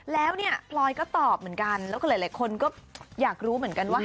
แล้วเนี่ยพลอยก็ตอบเหมือนกันแล้วก็หลายคนก็อยากรู้เหมือนกันว่า